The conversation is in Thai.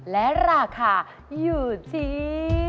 และราคาอยู่ที่